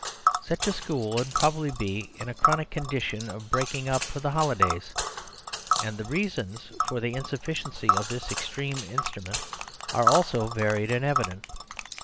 Such a school would probably be in a chronic condition of breaking up for the holidays. And the reasons for the insufficiency of this extreme instrument are also varied and evident.